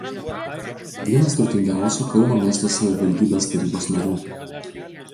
Vienas turtingiausių Kauno miesto savivaldybės tarybos narių.